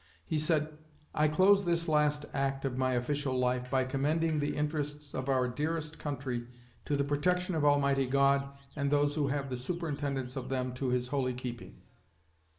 He said, "I close this last act of my official life by commending the interests of our dearest country to the protection of Almighty God and those who have the superintendence of them to His holy keeping."